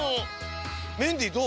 メンディーどう？